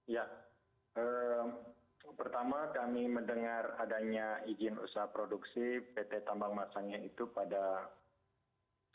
ya pertama kami mendengar adanya izin usaha produksi pt tambang masangnya itu pada